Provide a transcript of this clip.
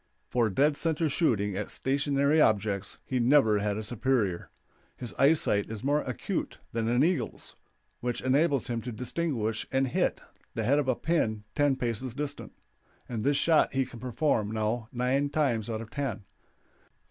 For dead center shooting at stationary objects he never had a superior. His eyesight is more acute than an eagle's, which enables him to distinguish and hit the head of a pin ten paces distant, and this shot he can perform now nine times out of ten.